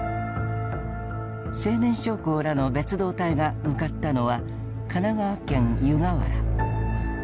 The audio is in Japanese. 青年将校らの別動隊が向かったのは神奈川県湯河原。